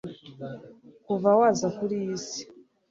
Kuva waza kuri iyi si